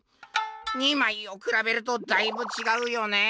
「２まいをくらべるとだいぶ違うよね。